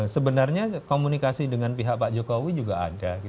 sebenarnya komunikasi dengan pihak pak jokowi juga ada